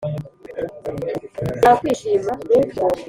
yakwishima mu gihumbi.